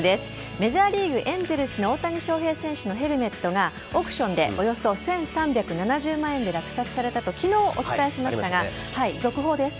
メジャーリーグ・エンゼルスの大谷翔平選手のヘルメットがオークションでおよそ１３７０万円で落札されたと昨日お伝えしましたが続報です。